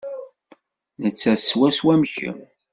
Nettat swaswa am kemm.